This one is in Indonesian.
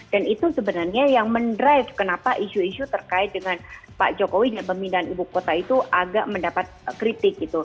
dan itu sebenarnya yang mendrive kenapa isu isu terkait dengan pak jokowi pemindahan ibu kota itu agak mendapat kritik